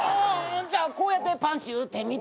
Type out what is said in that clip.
じゃあこうやってパンチ打ってみて。